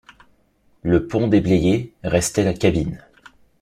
Le pont déblayé, restait la cabine.